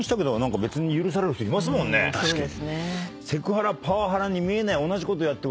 確かに。